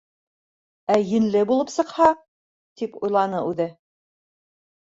«Ә енле булып сыҡһа?» — тип уйланы үҙе.